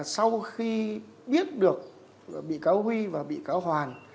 sau khi biết được bị cáo huy và bị cáo hoàn